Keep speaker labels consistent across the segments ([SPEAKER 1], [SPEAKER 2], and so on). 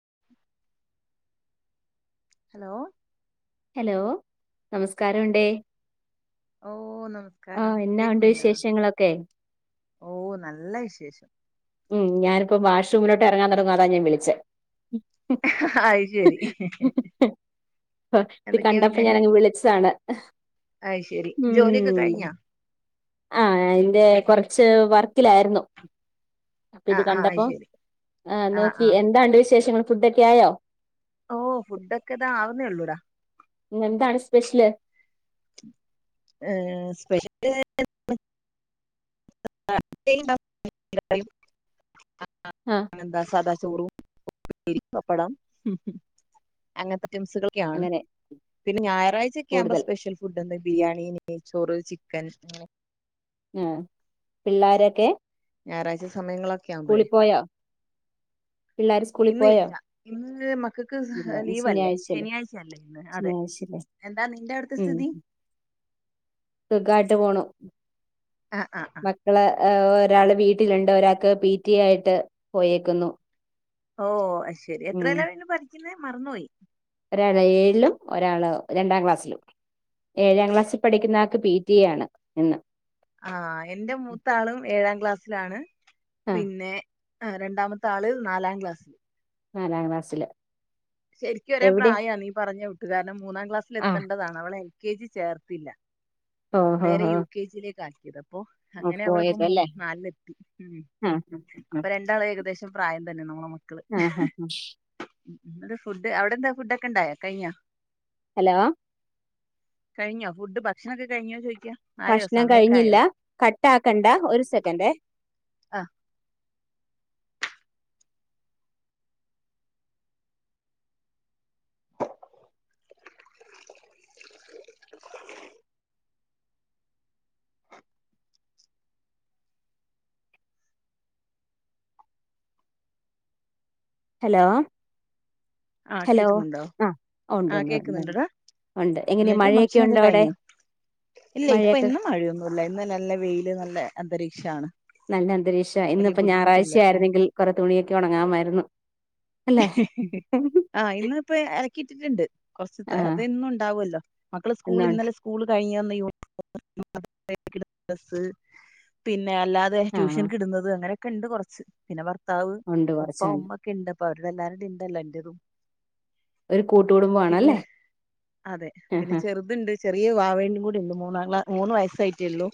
[SPEAKER 1] [unintelligible] Hello
[SPEAKER 2] hello നമസ്കാരംഉണ്ടേ
[SPEAKER 1] ഓഹ് നമസ്കാരം
[SPEAKER 2] ഉണ്ട്
[SPEAKER 1] കേക്കുന്നുണ്ടാ
[SPEAKER 2] വിശേഷങ്ങളൊക്കെ
[SPEAKER 1] ഓഹ് നല്ല വിശേഷം
[SPEAKER 2] ഉം ഞാനിപ്പം വാഷ്റൂമിലോട്ട് എറങ്ങാൻ തുടങ്ങുവ അതാ ഞാൻ വിളിചെ
[SPEAKER 1] അത് ശരി
[SPEAKER 2] [unintelligible] ഇത്
[SPEAKER 1] എന്തൊക്കെയാ
[SPEAKER 2] കണ്ടപ്പോ
[SPEAKER 1] പിന്നെ
[SPEAKER 2] ഞാനങ്ങ് വിളിച്ചതാണ് എഹ്
[SPEAKER 1] അത് ശരി ജോലിയൊക്കെ
[SPEAKER 2] ഉം
[SPEAKER 1] കഴിഞ്ഞോ
[SPEAKER 2] ആ അതിന്റെ കുറച്ച് വർക്കിലായിരുന്നു അപ്പൊ
[SPEAKER 1] ആ
[SPEAKER 2] ഇത്
[SPEAKER 1] ആ അത്
[SPEAKER 2] കണ്ടപ്പോ
[SPEAKER 1] ശരി
[SPEAKER 2] ആ നോക്കി എന്താണ്ട് വിശേഷങ്ങൾ ഫുഡ് ഒക്കെ ആയോ
[SPEAKER 1] ഓ ഫുഡ് ഒക്കെ ഇതാ ആവുന്നേ ഉള്ളൂടാ
[SPEAKER 2] ഇന്ന് എന്താണ് സ്പെഷ്യല്
[SPEAKER 1] ഏഹ് സ്പെ [unintelligible]
[SPEAKER 2] ആഹ്
[SPEAKER 1] ഇന്ന് എന്താ സാദാ ചോറും മീൻ പപ്പടം അങ്ങനത്തെ ഐറ്റംസുകൾ ക്കയാണ്
[SPEAKER 2] അങ്ങനെ
[SPEAKER 1] പിന്നെ ഞായറാഴ്ചൊക്കെ ആകുമ്പ
[SPEAKER 2] കൂടുതൽ
[SPEAKER 1] സ്പെഷ്യൽ ഫുഡ്എന്ത ബിരിയാണി നെയ്ച്ചോറ് ചിക്കൻ
[SPEAKER 2] ആഹ് പിള്ളോരൊക്കെ
[SPEAKER 1] ഞായറാഴ്ച സമയങ്ങളോ
[SPEAKER 2] സ്കൂളിപ്പോയോ
[SPEAKER 1] ഇന്ന് ഇല്ല ഇന്ന് മക്കൾക്ക്
[SPEAKER 2] ഇല്ല ഇന്ന്
[SPEAKER 1] ലീവ് അല്ലേ
[SPEAKER 2] ശനിയാഴ്ചയല്ലേ
[SPEAKER 1] ശനിയാഴ്ചയല്ലേ ഇന്ന് അതെ
[SPEAKER 2] ശനിയാഴ്ചയല്ലേ
[SPEAKER 1] എന്താ നിന്റെ അവ്ട്ത്തെ സ്ഥിതി
[SPEAKER 2] സുഖായിട്ട് പോണു
[SPEAKER 1] അഹ് ആഹ്
[SPEAKER 2] ക്കള് എഹ് ഒരാള് വീട്ടില്ണ്ട് ഒരാക്ക് പി റ്റി ആയിട്ട് പോയേക്ക്ന്നു
[SPEAKER 1] ഓഹ് അഹ് ശരി എത്രേലായ്ന്നു പഠിക്ക്ന്നെ മറന്ന്പോയി
[SPEAKER 2] ഒരാള് ഏഴിലും ഒരാള് രണ്ടാം ക്ലാസ്സ്ലും ഏഴാം ക്ലാസ്സി പഠിക്ക്ന്ന ആൾക്ക് പി ടി എ ആണ് ഇന്ന്
[SPEAKER 1] ആഹ് എന്റെ മൂത്താളും ഏഴാം ക്ലാസ്സിലാണ്
[SPEAKER 2] ആഹ്
[SPEAKER 1] പിന്നെ ആഹ് രണ്ടാമത്തെ ആള് നാലാം ക്ലാസ്സില്
[SPEAKER 2] നാലാംക്ലാസില്
[SPEAKER 1] ശെരിക്കും ഒരേ പ്രായാണ് നീ പറഞ്ഞ കൂട്ട് കാരണം മൂന്നാം ക്ലാസ്സിൽ
[SPEAKER 2] ആഹ്
[SPEAKER 1] എത്തണ്ടതാണ് അവളെ എൽ കെ ജി ചേർത്തില്ല
[SPEAKER 2] ഓഹ്
[SPEAKER 1] നേരെ
[SPEAKER 2] ഓഹ്
[SPEAKER 1] യു
[SPEAKER 2] ഓഹ്
[SPEAKER 1] കെ ജിയിലേക്ക ആക്കിയത് അപ്പൊ
[SPEAKER 2] ഓഹ്
[SPEAKER 1] അങ്ങനെ അവളിപ്പോ മൂ
[SPEAKER 2] പോയതല്ലേ
[SPEAKER 1] നാല് ലെത്തി ഉം
[SPEAKER 2] ആഹ് ആഹ്
[SPEAKER 1] അപ്പ രണ്ടാളു ഏകദേശം പ്രായം തന്നെ നമ്മളെ മക്കള്
[SPEAKER 2] ആഹ് ആഹ്
[SPEAKER 1] ഉം ഉം ന്ന് എന്താ ഫുഡ് അവ്ടെ എന്താ ഫുഡ് ഒക്കെ ഇണ്ടായാ കഴിഞ്യാ
[SPEAKER 2] ഹലോ
[SPEAKER 1] കഴിഞ്ഞോ ഫുഡ് ഭക്ഷണം ഒക്കെ കഴിഞ്ഞോ ചോയിക്ക്യാ
[SPEAKER 2] ഭക്ഷണം കഴിഞ്ഞില്ല കട്ടാക്കണ്ട ഒരു സെക്കൻഡേ
[SPEAKER 1] അഹ് [unintelligible]
[SPEAKER 2] ഹലോ
[SPEAKER 1] ആഹ്
[SPEAKER 2] ഹലോ
[SPEAKER 1] കേക്ക്ന്ന്ണ്ടോ
[SPEAKER 2] ആഹ് ഉണ്ട്
[SPEAKER 1] ആഹ്
[SPEAKER 2] ഉണ്ട് ഉണ്ട് ഉണ്ട്
[SPEAKER 1] കേക്ക്ന്ന്ണ്ടെടാ
[SPEAKER 2] ഉണ്ട് എങ്ങനെ
[SPEAKER 1] എന്നിട്ട്
[SPEAKER 2] മഴയൊക്കെ
[SPEAKER 1] ഭക്ഷണൊക്കെ
[SPEAKER 2] ഉണ്ടോ അവിടെ
[SPEAKER 1] കഴിഞ്ഞോ ഇല്ല ഇപ്പ
[SPEAKER 2] മഴയൊക്കെ
[SPEAKER 1] ഇന്നും മഴയൊന്നു ഇല്ല ഇന്ന് നല്ല വെയില് നല്ല അന്തരീക്ഷാണ്
[SPEAKER 2] നല്ല അന്തരീക്ഷാ
[SPEAKER 1] വലിയ
[SPEAKER 2] ഇന്ന്പ്പൊ ഞായറാഴ്ച
[SPEAKER 1] ബുദ്ധിമുട്ടില്ല
[SPEAKER 2] ആയ്ര്ന്നെങ്കിൽ കൊറേ തുണിയൊക്കെ ഒണങ്ങാമായിര്ന്നു അല്ലേ
[SPEAKER 1] ആഹ് ആഹ് ഇന്ന് ഇപ്പെയ് അലക്കിയിറ്റ്ട്ട്ണ്ട് കൊർച്ച് തെ
[SPEAKER 2] ആഹ്
[SPEAKER 1] അതെന്നും ഇണ്ടാവൊല്ലോ മക്കള് സ്കൂള്
[SPEAKER 2] എന്നോണ്ട്
[SPEAKER 1] ഇന്നലെ സ് സ്കൂള് കഴിഞ്ഞ് വന്ന് യൂണിഫോം [unintelligible] ഡ്രസ്സ് പിന്നെ അല്ലാതെ
[SPEAKER 2] ആഹ്
[SPEAKER 1] ട്യൂഷൻക്ക് ഇട്ന്നത് അങ്ങനെയൊക്കെ ഇണ്ട് കൊറച്ച് പിന്നെ ഭർത്താവ്
[SPEAKER 2] ഉണ്ട്
[SPEAKER 1] ഉപ്പ
[SPEAKER 2] കൊറച്ചുണ്ട്
[SPEAKER 1] ഉമ്മ ക്കിണ്ട് അപ്പൊ അവരുടെ എല്ലാര്ടിം ഇണ്ടല്ലോ ഇന്റതും
[SPEAKER 2] ഒര് കുട്ട് കുടുംബം
[SPEAKER 1] പിന്നെ അതെ പിന്നെ ചെറ് ത്ണ്ട് ചെറിയ വാവേന്റിം കൂടി ഇണ്ട് മൂന്നാം ക്ലാ മൂന്ന് വയസ്സ് അയ്റ്റെ ഉള്ളു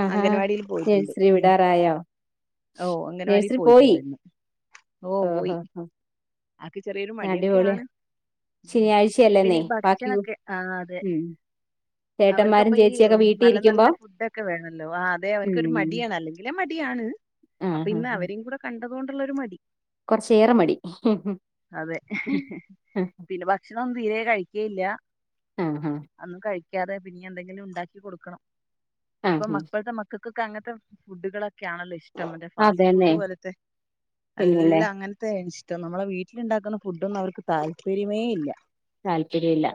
[SPEAKER 2] ആഹാ
[SPEAKER 1] അംഗനവാടീല് പോയിറ്റ്ണ്ട്
[SPEAKER 2] നേഴ്സറി
[SPEAKER 1] ഉം
[SPEAKER 2] വിടാറായോ
[SPEAKER 1] ഓഹ് അംഗനവാടി പോയിറ്റ്ണ്ട് ഇന്ന്
[SPEAKER 2] ഓഹ് ഓഹ് ആഹ്
[SPEAKER 1] അക്ക് ചെറിയൊരു മടിയൊക്കെയാണ് ഉം
[SPEAKER 2] ശനിയാഴ്ചയല്ലെന്നേ
[SPEAKER 1] പിന്നെ ഈ
[SPEAKER 2] ബാക്കി കു-
[SPEAKER 1] ഭക്ഷണൊക്കെ ആഹ് അതെ
[SPEAKER 2] ഉം
[SPEAKER 1] അവർക്ക്
[SPEAKER 2] ചേട്ടന്മാരും
[SPEAKER 1] അപ്പ ഈ
[SPEAKER 2] ചേച്ചിയൊക്കെ വീട്ടി
[SPEAKER 1] നല്ല
[SPEAKER 2] ഇരിക്കുമ്പോ
[SPEAKER 1] നല്ല ഫുഡ്‌ ഒക്കെ വേണല്ലോ ആഹ് അതെ അവൻക്ക് ഒരു
[SPEAKER 2] ഉം
[SPEAKER 1] മടിയാണ് അല്ലെ ങ്കിലേ മടിയാണ് അപ്പ
[SPEAKER 2] ആഹ്
[SPEAKER 1] ഇന്ന് അവരെയും കൂടെ കണ്ടത് കൊണ്ട്ള്ള ഒരു മടി
[SPEAKER 2] കൊർച്ച് ഏറെ മടി
[SPEAKER 1] അതെ പിന്നെ ഭക്ഷണം ഒന്നും തീരെ കഴിക്ക്യേയ്ല്ല
[SPEAKER 2] ആഹ് ആഹ്
[SPEAKER 1] അഒന്നും കഴിക്ക്യാതെ പ്പ ഇനി എന്തെങ്കിലും ഉണ്ടാക്കി കൊടുക്കണം ഇപ്പ
[SPEAKER 2] ആഹ്
[SPEAKER 1] മക്കള്ക്ക് മക്ക ക്കക്കൊക്കെ അങ്ങത്തെ ഫുഡ്കളൊക്കെയാണല്ലോ ഇഷ് ടം മറ്റെ ഫാസ്റ്റ്
[SPEAKER 2] അതന്നെ
[SPEAKER 1] ഫുഡ് പോലത്തെ
[SPEAKER 2] പിന്നല്ലേ
[SPEAKER 1] എല്ലാം അങ്ങൻത്തെ ആണ് ഇഷ് നമ്മളെ വീട്ടിലുണ്ടാക്കുന്ന ഫുഡൊന്നും അവർക്ക് താല്പര്യമേ ഇല്ല
[SPEAKER 2] താല്പര്യമില്ല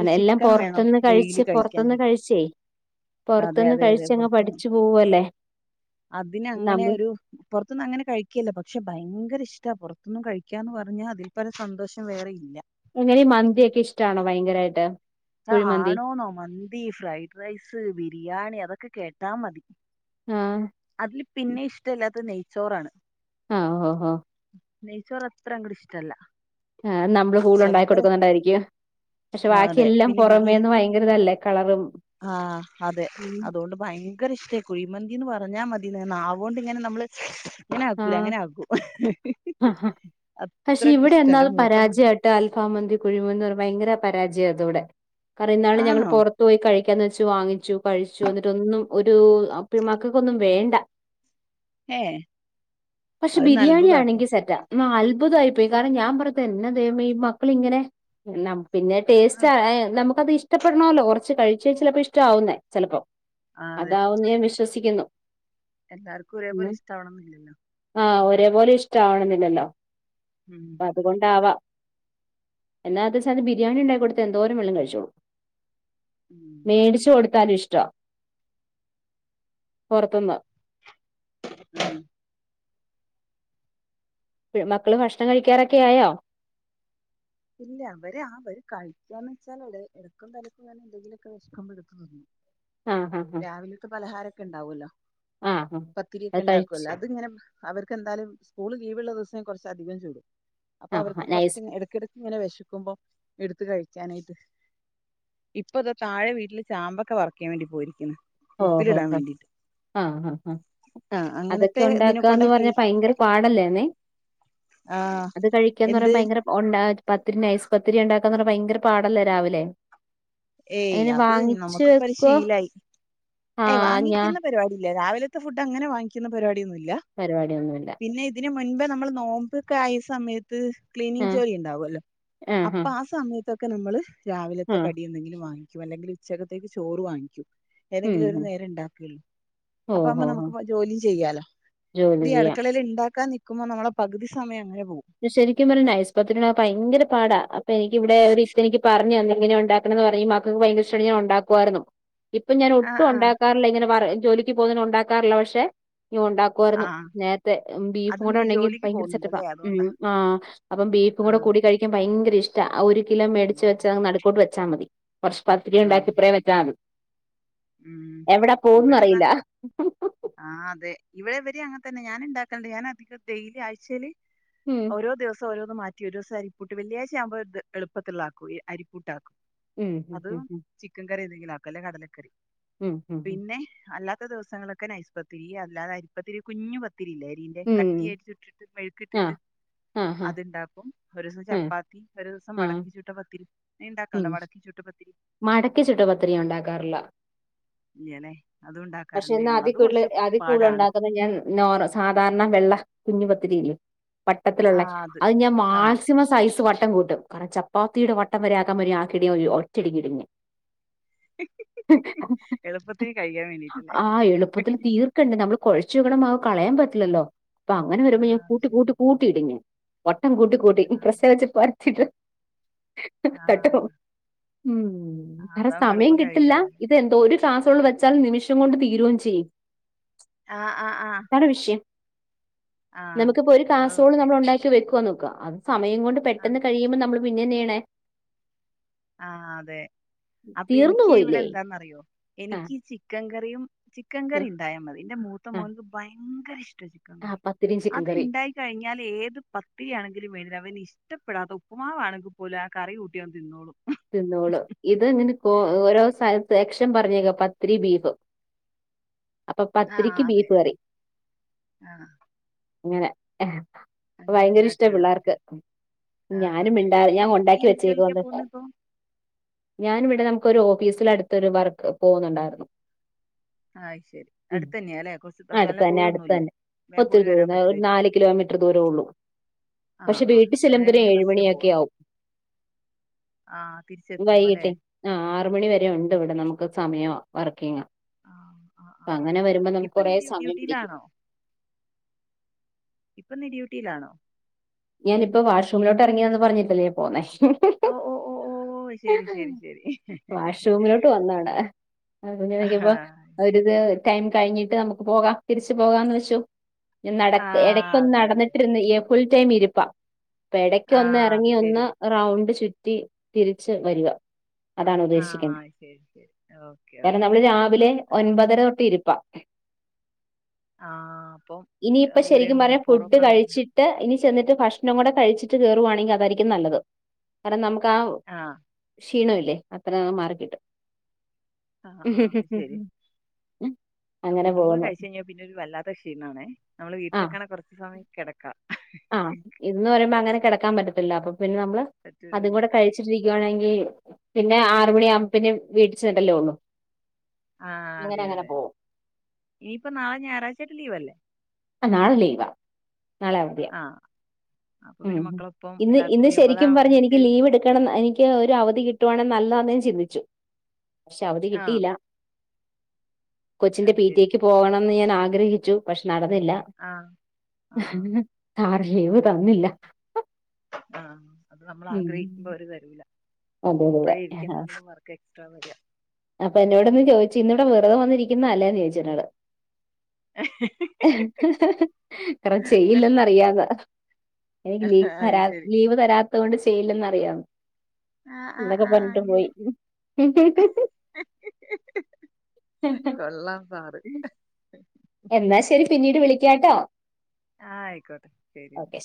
[SPEAKER 2] അ എല്ലാം
[SPEAKER 1] ചിക്കൻ വേണം
[SPEAKER 2] പൊറത്തന്ന് കഴിച്ച്
[SPEAKER 1] ഡെയിലി
[SPEAKER 2] പൊറത്തന്ന്
[SPEAKER 1] കഴിക്കാനായിട്ട്
[SPEAKER 2] കഴിച്ചേയ്
[SPEAKER 1] അതെ
[SPEAKER 2] പുറത്തൊന്ന് കഴിച്ചങ്ങ് പഠിച്ചു പോവല്ലേ
[SPEAKER 1] അതിന അങ്ങനെ
[SPEAKER 2] നമ്മള്
[SPEAKER 1] ഒരു പുറത്തുന്ന് അങ്ങനെ കഴിക്കല്ലോ പക്ഷെ ഭയങ്കര ഇഷ്ടം ഇ പുറത്തൊന്നും കഴിക്കാന്ന് പറഞ്ഞാ അതിൽ പരം സന്തോഷം വേറെ ഇല്ല
[SPEAKER 2] എങ്ങനെ ഈ മന്തിയൊക്കെ ഇഷ്ടാണോ ഭയങ്കരായിട്ട്
[SPEAKER 1] ആ
[SPEAKER 2] കുഴിമന്തി
[SPEAKER 1] ആണോന്നോ മന്തി ഫ്രൈഡ് റൈസ് ബിരിയാണി അതൊക്കെ കേട്ടാ മതി
[SPEAKER 2] ആഹ്
[SPEAKER 1] അതില് പിന്നെ ഇഷ്ടല്ലാത്തെ നെയ്ച്ചോറാണ്
[SPEAKER 2] ആഹ ഹ് ഓ ഹോ ഹോ
[SPEAKER 1] നെയ്ച്ചോറ് അത്ര അങ്ങട്ട് ഇഷ്ടല്ല
[SPEAKER 2] ആ നമ്മള് കൂള
[SPEAKER 1] പക്ഷെ
[SPEAKER 2] ഉണ്ടാക്കി
[SPEAKER 1] അതുപോലെ
[SPEAKER 2] കൊടുക്കുന്നുണ്ടായിരിക്കും പക്ഷെ
[SPEAKER 1] ആ അതെ
[SPEAKER 2] ബാക്കിയെല്ലാം
[SPEAKER 1] പിന്നെ ബിരിയ
[SPEAKER 2] പൊറമേന്ന് ഭയങ്കരതല്ലേ കളറും
[SPEAKER 1] ആ അതെ അതുകൊണ്ട് ഭയങ്കര ഇഷ്ട കുഴിമന്തി എന്ന് പറഞ്ഞാൽ മതിന്ന് നാവുകൊണ്ട് നമ്മള് അങ്ങനെ ആക്കൂല
[SPEAKER 2] ആഹ്
[SPEAKER 1] അങ്ങനെ ആകൂ അത്രക്ക്‌ ഇഷ്ടാ എന്റെ മൂത്ത മോന്
[SPEAKER 2] അലിഫാ മന്തി കുഴിമന്തി എന്ന് പറയുമ്പോ ഭയങ്കര പരാജയം അതൂടെ കാരണം ഇന്നാള് ഞങ്ങള്
[SPEAKER 1] ആണോ
[SPEAKER 2] പൊറത്തു പോയി കഴിക്കാം വെച്ച് വാങ്ങിച്ചു കഴിച്ചു എന്നിട്ടൊന്നും ഒരു മക്കൾക്കൊന്നും വേണ്ട
[SPEAKER 1] ഏഹ്
[SPEAKER 2] പക്ഷെ ബിരിയാണിയാണെങ്കിൽ സെറ്റാ ആ അത്ഭുതായിപ്പോയി കാരണം ഞാൻ പറയത് എന്നാ ദൈവമേ ഈ മക്കള് ഇങ്ങനെ എല്ലാം പിന്നെ ടേസ്റ്റ് ആ നമുക്കത് ഇഷ്ടപ്പെടണോല്ലോ കൊറച്ച് കഴിച്ച ചിലപ്പോ ഇഷ്ടമാവുന്നേ ചെലപ്പോ
[SPEAKER 1] ആ അതെ
[SPEAKER 2] അതാവും എന്ന് ഞാൻ വിശ്വസിക്കുന്നു
[SPEAKER 1] എല്ലാർക്കും ഒരേപോലെ ഇഷ്ടാവണന്നില്ലല്ലോ
[SPEAKER 2] ആഹ് ഒരേപോലെ ഇഷ്ടാവണന്നില്ലല്ലോ
[SPEAKER 1] ഉം
[SPEAKER 2] അതുകൊണ്ടാവാം എന്നാ അത് സ അ ബിരിണി ഇണ്ടാക്കി കൊടുതാ എന്തോരം വെള്ളം ള്ളം കഴിച്ചോളും
[SPEAKER 1] ഉം
[SPEAKER 2] മേടിച്ച് കൊടുത്താൽ ഇഷ്ടവാ പൊറത്ത്ന്ന്
[SPEAKER 1] [inaudible]
[SPEAKER 2] മക്കള് ഭക്ഷണം കഴിക്കാറൊക്കെ ആയോ
[SPEAKER 1] ഇല്ല അവര് ആ അവര് കഴിക്കാന്ന് വെച്ചാൽ എടക്കും തലക്കും എന്തെങ്കിലുംവെഷ്ക്കുബോ ഇട്ത് തിന്നും
[SPEAKER 2] [inaudible] ഹാ
[SPEAKER 1] രാവിലത്തെ പലഹാരൊക്കെ ഇണ്ടാവോല്ലോ
[SPEAKER 2] ആ ഹാ
[SPEAKER 1] പത്തിരിഒക്കെ
[SPEAKER 2] അത് കഴിച്ച്
[SPEAKER 1] ഇണ്ടാക്കോല്ലോ അതിങ്ങനെ അവർക്ക് എന്തായാലും സ്കൂള് ലീവ്ള്ള ദിവസെ കൊറച്ച് അധികം ചുടും അപ്പൊ
[SPEAKER 2] ആ ഹാ
[SPEAKER 1] അവർക്ക്
[SPEAKER 2] നൈസ്
[SPEAKER 1] കൊറച്ച് ഇടക്കിട ഇങ്ങനെ വെശക്കുമ്പോ എടുത്ത് കഴിക്കാനായിട്ട് ഇപ്പ ഇതാ താഴെ വീട്ടില് ചാമ്ബക്ക വറിയ്ക്കാൻ വേണ്ടി പോയിരിക്ക്‌ണ്
[SPEAKER 2] ഓ ഹ ഹ ആഹ് ഹാ ഹാ
[SPEAKER 1] ആ
[SPEAKER 2] അതൊക്കെ
[SPEAKER 1] അങ്ങനത്തെ ഇതിനെ
[SPEAKER 2] ഉണ്ടാക്കാന്ന്
[SPEAKER 1] കൊണ്ടൊക്കെ
[SPEAKER 2] പറഞ്ഞാ ഭയങ്കര പാടല്ലേന്നെ
[SPEAKER 1] ആ
[SPEAKER 2] അത് കഴിക്കാന്ന്
[SPEAKER 1] എന്ത്
[SPEAKER 2] പറയാൻ ഭയങ്കര ഉ പത്തിരി ഐസ് പത്തിരി ഇണ്ടാക്കാന്ന് പറഞ്ഞ ഭയങ്കര പാടല്ലെ രാവിലെ
[SPEAKER 1] ഏയ്
[SPEAKER 2] അങ്ങനെ
[SPEAKER 1] അത്
[SPEAKER 2] വാങ്ങിച്ച്
[SPEAKER 1] നമുക്ക്പ്പത്
[SPEAKER 2] വെക്കോ
[SPEAKER 1] ശീലായി ഏയ്
[SPEAKER 2] ആഹ് ഞാൻ
[SPEAKER 1] വാങ്ങിക്കുന്ന പരിപാടി ഇല്ല രാവിലത്തെ ഫുഡ് അങ്ങനെ വാങ്ങിക്ക്‌ന്ന പരിപാടിയൊന്നും ഇല്ല
[SPEAKER 2] പരിപാടിയൊന്നുല്ല
[SPEAKER 1] പിന്നെ ഇതിന് മുൻബെ നമ്മള് നോമ്പൊക്കെ ആയ സമയത്ത് ഇത്‌ ക്ലീനിങ്
[SPEAKER 2] ആഹ്
[SPEAKER 1] ജോലി ഉണ്ടാവുവല്ലോ അപ്പ
[SPEAKER 2] ആഹ്
[SPEAKER 1] ആ സമയത്തൊക്കെ നമ്മള് രാവിലത്തെ ക
[SPEAKER 2] ആഹ്
[SPEAKER 1] എന്തെങ്കിലും വാങ്ങിക്കും അല്ലെങ്കില് ഉച്ചക്കത്തേക്ക് ചോറ് വാങ്ങിക്കും.
[SPEAKER 2] ഉം
[SPEAKER 1] ഏതെങ്കിലും ഒരു
[SPEAKER 2] ഉം
[SPEAKER 1] നേരെ ഇണ്ടാക്കലുള്ളൂ. അപ്പ ആവുമ്മെ
[SPEAKER 2] ഓഹോ
[SPEAKER 1] നമുക്ക് ജോലിം ചെയ്യാലോ.
[SPEAKER 2] ജോലി
[SPEAKER 1] ഇത് ഈ
[SPEAKER 2] ചെയ്യാ
[SPEAKER 1] അടുക്കളയില് ഇണ്ടാക്കാൻ നി കുമ്മെ നമ്മളെ പകുതി സമയം അങ്ങനെ പോവും.
[SPEAKER 2] ഇത്‌ ശരിക്കും പറഞ്ഞ നൈസ്പത്തിരി ഇണ്ടാക്കാൻ ഭയങ്കര പാടാ. അപ്പൊ എനിക്കിവിടെ ഒരു ഇത്ത എനിക്ക് പറഞ്ഞു തന്നു എങ്ങനെ ഉണ്ടാക്ക പറയും മക്കക്ക് ഭയങ്കരെഷ്ടാണെങ്കി ഞാൻ ഉണ്ടാക്കുമായിരുന്നു. ഇപ്പ ഞാൻ
[SPEAKER 1] ആഹ്
[SPEAKER 2] ഒട്ടും
[SPEAKER 1] ആഹ്
[SPEAKER 2] ഒണ്ടാക്കാറില്ല ഇങ്ങനെ വർ ജോലിക്ക് പോകുന്നത്കൊണ്ട് ഉണ്ടാക്കാറില്ല. പക്ഷെ ഇനി ഒണ്ടാക്കും. ക്കുവായിരുന്നു
[SPEAKER 1] ആഹ്
[SPEAKER 2] നേരത്തെ. ബീഫും
[SPEAKER 1] അത്
[SPEAKER 2] കൂടെ
[SPEAKER 1] നീ
[SPEAKER 2] ഒണ്ടെങ്കി
[SPEAKER 1] ജോലിക്ക്
[SPEAKER 2] ഭയങ്കര സെറ്റപ്പാ.
[SPEAKER 1] പോകുന്നുണ്ടല്ലേ
[SPEAKER 2] ഉം
[SPEAKER 1] അതുകൊണ്ടാ
[SPEAKER 2] ആഹ്, അപ്പം ബീഫും കൂടെ
[SPEAKER 1] ആഹ്
[SPEAKER 2] കൂടി കഴിക്കാൻ ഭയങ്കര ഇഷ് ടാ. ഒരു കിലോ മേടിച്ച് വെച്ച് അങ് നടക്കോട്ട് വെച്ചാ മതി. കൊറച്ച് പത്തിരിം
[SPEAKER 1] ആഹ്
[SPEAKER 2] ഇണ്ടാക്കി ഇപ്പ്രേം വൊച്ചാ മതി.
[SPEAKER 1] ഉം
[SPEAKER 2] എവിടെ
[SPEAKER 1] ഇവിടെന്നാ
[SPEAKER 2] പോവുന്ന്ന്നറിയില്ല.
[SPEAKER 1] ആഹ് അതെ. ഇവടെ ഇവരും അങ്ങനെ തന്നെ ഞാന്ണ്ടാക്കല്ണ്ട് ഞാനധികം ഡെയിലി ആഴ്ചയില്
[SPEAKER 2] ഉം
[SPEAKER 1] ഓരോ ദിവസം ഓരോന്ന് മാറ്റി റ്റി ഒരു ദിവസം അരിപ്പുട്ട് വെള്ളിയാഴ്ച ആവുമ്പോ ത് എളുപ്പത്തിലുള്ളാക്കുടി അരിപ്പുട്ടാക്കും.
[SPEAKER 2] ഉം ഉം
[SPEAKER 1] അത്
[SPEAKER 2] ഉം
[SPEAKER 1] ചി ക്കൻ കറിയെന്തെങ്കിലും ആക്കും അല്ലെങ്കി കടലക്കറി.
[SPEAKER 2] ഉം ഉം ഉം
[SPEAKER 1] പിന്നെ അല്ലാത്ത ദിവസങ്ങളൊക്കെ നൈസ്പത്തിരി അല്ലാതെ അരിപ്പത്തിരി കുഞ്ഞു പത്തിരിയില്ലെ? ന്റെ
[SPEAKER 2] ഉം
[SPEAKER 1] കട്ടിയായിട്ടിട്ടിട്ട് മെഴുക്ക്
[SPEAKER 2] ആഹ്
[SPEAKER 1] ഇട്ടിട്ട്
[SPEAKER 2] ആഹ് ആഹ്
[SPEAKER 1] അത്ണ്ടാക്കും ഒരു ദിവസം
[SPEAKER 2] ആഹ്
[SPEAKER 1] ചപ്പാത്തി ഒരു ദിവസം
[SPEAKER 2] ആഹ്
[SPEAKER 1] മടക്കി ചുട്ട പത്തിരി നീ ഉണ്ടാക്കല്ണ്ട
[SPEAKER 2] ഉം
[SPEAKER 1] മടക്കി ചുട്ട പത്തിരി?
[SPEAKER 2] മടക്കി ചുട്ട പത്തിരി ഒണ്ടാക്കാറില്ല.
[SPEAKER 1] ഇങ്ങനെ അത്
[SPEAKER 2] പക്ഷെ
[SPEAKER 1] ഉണ്ടാക്കാറുണ്ട്
[SPEAKER 2] എന്നാ അതി
[SPEAKER 1] ഞങ്ങളത്
[SPEAKER 2] കൂടുതൽ
[SPEAKER 1] കൊറച്ച്
[SPEAKER 2] അതി കൂടുതൽ
[SPEAKER 1] പാടാണ്.
[SPEAKER 2] ഉണ്ടാക്കുന്നത് ഞാൻ നോ സാധാരണ വെള്ള കുഞ്ഞു പത്തിരില്ലെ? വട്ടത്തിലുള്ള അത് ഞാൻ മാ
[SPEAKER 1] ആ
[SPEAKER 2] ക്സിമം സൈസ് വട്ടം കൂട്ടും. കാരണം ചപ്പാത്തിയുടെ വട്ടം വരെയാക്കാൻ വരും ആക്കീട്ട് ഒരു ഒറ്റയടിക്ക് ഇടും ഞാൻ. [unintelligible]
[SPEAKER 1] ചപ്പാത്തിയായി കയിക്കാൻ വേണ്ടി
[SPEAKER 2] ആഹ് എളുപ്പത്തില് തീ ണ്ട് നമ്മള് കൊഴച്ചുവെക്കണ മാവ് കളയാൻ പറ്റില്ലല്ലോ. അപ്പൊ അങ്ങനെ
[SPEAKER 1] ആ
[SPEAKER 2] വരുമ്പോ ഞാൻ
[SPEAKER 1] ശരി
[SPEAKER 2] കൂട്ടിക്കൂട്ടി കൂട്ടിയിടും ഞാൻ വട്ടം കൂട്ടി കൂട്ടി
[SPEAKER 1] ആ
[SPEAKER 2] പ്രസ്സില് വെച്ച് പരത്തിട്ട് തട്ട്
[SPEAKER 1] ആ
[SPEAKER 2] വെക്കും. ഉം
[SPEAKER 1] ആഹ്
[SPEAKER 2] കാരണം
[SPEAKER 1] അതാവുമ്പോ
[SPEAKER 2] സമയം
[SPEAKER 1] എളുപ്പം
[SPEAKER 2] കിട്ടില്ല
[SPEAKER 1] കഴിയുവല്ലോല്ലേ
[SPEAKER 2] ഇത് ഒരു കാസറോള് വെച്ചാൽ നിമിഷം കൊണ്ട് തീരോം ചെയ്യും.
[SPEAKER 1] ആഹ് ആഹ് ആഹ്
[SPEAKER 2] ഒരു വിഷയം
[SPEAKER 1] ആഹ്
[SPEAKER 2] നമ്ക്കിപ്പോ ഒരു
[SPEAKER 1] അത്
[SPEAKER 2] കാസറോള്
[SPEAKER 1] ഓക്കെ
[SPEAKER 2] നമ്മള് ഉണ്ടാക്കി വെക്കാന്ന് നോക്ക. അത് സമയം കൊണ്ട്
[SPEAKER 1] ആഹ്
[SPEAKER 2] പെട്ടെന്ന് കഴിയുമ്പ നമ്മള് പിന്നെന്തയ്യണെ?
[SPEAKER 1] ആഹ് അതെ അപ്പൊ
[SPEAKER 2] തീർന്നു
[SPEAKER 1] എനിക്ക് ഇവിടെ
[SPEAKER 2] പോയില്ലേ
[SPEAKER 1] എന്താന്നറിയോ
[SPEAKER 2] ആഹ്
[SPEAKER 1] എനിക്കി ചിക്കൻ കറിയും ചിക്കൻ
[SPEAKER 2] ഉം
[SPEAKER 1] കറിണ്ടായാ മതി എന്റെ മൂത്ത
[SPEAKER 2] ആഹ്
[SPEAKER 1] മോനക്ക് ഭയങ്കര ഇഷ്ടാ ചിക്കൻ
[SPEAKER 2] ആഹ്
[SPEAKER 1] കറി.
[SPEAKER 2] പത്തിരിയും ചിക്കൻ കറിയും
[SPEAKER 1] അത്ണ്ടായി കഴിഞ്ഞാൽ ഏത് പത്തിരിയാണെങ്കിലും വേണ്ടില്ല അവന്ഷ്ടപ്പെടാത്ത ഉപ്പുമാവാണെങ്കിൽ പോലും ആ കറി കൂട്ടിയവൻ തിന്നോളും.
[SPEAKER 2] തിന്നോളും. ഇത് ഇങ്ങനെ ഓ ഓരോ സ്ഥലത്ത് [unintelligible] പറഞ്ഞേക്കാ പത്തിരിം ബീഫും അപ്പൊ
[SPEAKER 1] ആഹ്
[SPEAKER 2] പത്തിരിക്ക്
[SPEAKER 1] അതെ
[SPEAKER 2] ബീഫ് കറി.
[SPEAKER 1] ആഹ്
[SPEAKER 2] അങ്ങനെ
[SPEAKER 1] അങ്ങനെ
[SPEAKER 2] ഭയങ്കര ഇഷ്ടാ
[SPEAKER 1] ഉണ്ടാക്കാണ്
[SPEAKER 2] പിള്ളാർക്ക്.
[SPEAKER 1] ആഹ്
[SPEAKER 2] ഞാനും
[SPEAKER 1] അതെ
[SPEAKER 2] ഇണ്ടാവി
[SPEAKER 1] നീ
[SPEAKER 2] ഞാൻ
[SPEAKER 1] എന്ത് നീ
[SPEAKER 2] ഒണ്ടാക്കി
[SPEAKER 1] എന്ത്
[SPEAKER 2] വെച്ചേക്കും
[SPEAKER 1] ജോലിക്കാ
[SPEAKER 2] എന്നട്ട്
[SPEAKER 1] പോകുന്നെ ഇപ്പൊ
[SPEAKER 2] ഞാനും ഇവിടെ നമുക്കൊരു ഓഫീസിലടുത്തൊരു വർക്ക് പോകുന്നുണ്ടായിരുന്നു.
[SPEAKER 1] ആ്ഹ് അയ്ശരി.
[SPEAKER 2] ഉം
[SPEAKER 1] അടുത്തന്നെയാല്ലെ കൊറച്ച് അ നല്ല
[SPEAKER 2] അടുത്ത് തന്നെ അടുത്ത്
[SPEAKER 1] ദൂരൊന്നൂല്ല?
[SPEAKER 2] തന്നെ ഒത്തിരി ദൂരൊന്നൂല്ല ഒരു നാല് കിലോമീറ്ററ് ദൂരൊള്ളൂ.
[SPEAKER 1] ആഹ്
[SPEAKER 2] പക്ഷെ
[SPEAKER 1] ആഹ്
[SPEAKER 2] വീട്ടി
[SPEAKER 1] നേരെ
[SPEAKER 2] ചെല്ലുമ്പോ ഒരു
[SPEAKER 1] ഇങ്ങനെ ബസ്സിന് പോവാ
[SPEAKER 2] ഏഴുമണിയൊക്കെ ആവും.
[SPEAKER 1] ആഹ് തിരിച്ച്
[SPEAKER 2] വൈകിട്ടേ ആഹ ആറു മണി വരെ ഉണ്ട് ഇവിടെ നമുക്ക് സമയം വർക്കിങ്
[SPEAKER 1] ആഹ അഹ
[SPEAKER 2] അപ്പൊ
[SPEAKER 1] അഹ അഹ
[SPEAKER 2] അങ്ങനെ വരുമ്പോ നമുക്ക്
[SPEAKER 1] ഇപ്പൊ
[SPEAKER 2] കുറേ
[SPEAKER 1] ഡ്യു
[SPEAKER 2] സമയം പിടിക്കും
[SPEAKER 1] ഡ്യൂട്ടിയിലാണോ ഇപ്പം നീ ഡ്യൂട്ടയിലാണോ
[SPEAKER 2] ഞാനിപ്പോ വാഷ്റൂമിലോട്ടറങ്ങിയാന്ന് പറഞ്ഞിട്ടല്ലേ പോന്നേ
[SPEAKER 1] ഒഹ ഒഹ ഒഹ ഓഹ ശെരി ശെരി ശെരി
[SPEAKER 2] [inaudible] ക്കിയപ്പോ അവരത് ടൈം കഴിഞ്ഞിട്ട് നമുക്ക് പോകാ തിരിച്ചു പോകാന്ന് വെച്ചു ഞൻ നട
[SPEAKER 1] ആഹ്
[SPEAKER 2] ഇടക്കൊന്ന്
[SPEAKER 1] അതെ അതെ അതെ
[SPEAKER 2] നടന്നിട്ടിരുന്ന് ഫുൾ ടൈം ഇരിപ്പാ പ്പെ എടയ്ക്ക് ഒന്ന്
[SPEAKER 1] ആഹ് അത്
[SPEAKER 2] എറങ്ങി ഒന്ന്
[SPEAKER 1] ശരിയാ
[SPEAKER 2] റൗണ്ട് ചുറ്റി തിരിച്ച് വരിവ
[SPEAKER 1] ആഹ ശെരി ശെരി
[SPEAKER 2] കാരണം നമ്മള് രാവിലെ ഒൻപതര തൊട്ട് ഇരുപ്പാ
[SPEAKER 1] ആഹ് അപ്പം
[SPEAKER 2] ഇനിയിപ്പ
[SPEAKER 1] ഊര
[SPEAKER 2] ശരിക്കും പറയ ഫുഡ്
[SPEAKER 1] പൊറൊക്കെ വേദന
[SPEAKER 2] കഴിച്ചി ട്ട് ഇനി ചെന്നിട്ട് ഭക്ഷണം കൂടെ കഴിച്ചിട്ട് കേറുവാണെങ്കി അതായിരിക്കും നല്ലത് കാരണം നമുക്ക് ആ
[SPEAKER 1] ആഹ
[SPEAKER 2] ക്ഷീണവില്ലേ അത്ര മാറിക്കിട്ടും
[SPEAKER 1] അഹ അഹ ആഹ ശെരി
[SPEAKER 2] ഉം
[SPEAKER 1] ഫുഡും കൂടി കഴിച്ചഴിഞ്ഞാൽ പിന്നെരു വല്ലത്ത ക്ഷീണാണെ നമ്മള് വീട്ടിലൊക്കാണെ കുറച്ച്സമയം കെടക്കാ
[SPEAKER 2] ആഹ ഇന്ന് വരിമ്പ അങ്ങനെ കെടക്കാൻ പറ്റത്തില്ല അപ്പൊ പിന്നെ നമ്മള് അതും
[SPEAKER 1] പറ്റൂലല്ലോ
[SPEAKER 2] കൂടെ
[SPEAKER 1] അത്
[SPEAKER 2] കഴിച്ച് രിക്കുവാണെങ്കിൽ പിന്നെ ആറുമണിയാവുമ്പ പിന്നെ വീട്ടിൽ ചെന്നിട്ടല്ലേ ഒള്ളു
[SPEAKER 1] ആഹ അതെ അതെ ഈപ്പം നാളെ ഞായറാഴ്ചായിട്ട് ലീവ് അല്ലേ
[SPEAKER 2] അഹ നാളെ ലീവ നാളെ അവധി
[SPEAKER 1] ആഹ
[SPEAKER 2] ഉം ഇന്ന് ഇന്ന്
[SPEAKER 1] കൂടിയാവുമ്പോ അതാ
[SPEAKER 2] ശരിക്കും പറഞ്ഞ എനിക്ക്
[SPEAKER 1] ഒന്നിച്ച്
[SPEAKER 2] ലീവ് എടുക്കണം എനിക്ക് ഒരു അവധി കിട്ടുവാണെ നല്ലതാന്നേ ചിന്തിച്ചു പക്ഷെ അവധി
[SPEAKER 1] ആഹ്
[SPEAKER 2] കിട്ടിയില്ല കൊച്ചിന്റെ
[SPEAKER 1] അത്
[SPEAKER 2] പീ റ്റീ
[SPEAKER 1] ശരി.
[SPEAKER 2] എക്ക് പോകണംന്ന് ഞാൻ ആഗ്രഹിച്ചു പക്ഷെ നടന്നില്ല
[SPEAKER 1] ആഹ്
[SPEAKER 2] സാറ് ലീവ് തന്നി
[SPEAKER 1] ആഹ അത് നമ്മൾ
[SPEAKER 2] ഉം
[SPEAKER 1] ആഗ്രഹിക്കുമ്പോ അവര് തരൂല
[SPEAKER 2] അതെ അതെ
[SPEAKER 1] അപ്പൊഴേയിരിക്കും
[SPEAKER 2] അതെ
[SPEAKER 1] എന്തെങ്കിലും വർക്ക് എക്സ്ട്രാ വര
[SPEAKER 2] അപ്പൊ എന്നോട് ഇന്ന് ചോയ്ച്ചി ഇന്നിവ്ടെ വെറുതെ വന്നിരിക്കുന്ന അല്ലേന്ന് ചോയ്ച്ച് എന്നോട് എറ ചെയ്യില്ലന്നറിയാതാ എനിക്ക് ലീവ്
[SPEAKER 1] അത്
[SPEAKER 2] തരാ
[SPEAKER 1] ശരി
[SPEAKER 2] ലീവ് തരാത്തത് കൊണ്ട് ചെയ്യില്ലെന്ന് അറിയാം
[SPEAKER 1] ആഹ് ആഹ്
[SPEAKER 2] ഇതൊക്കെ
[SPEAKER 1] ആഹ്
[SPEAKER 2] പറഞ്ഞിട്ട് പോയി
[SPEAKER 1] അങ്ങനെ കൊള്ളാം സാറ്
[SPEAKER 2] എന്നാ ശെരി പിന്നീട് വിളിക്കാട്ടോ
[SPEAKER 1] ആഹ ആയിക്കോട്ടെ ശെരി
[SPEAKER 2] ഓക്കെ ശരി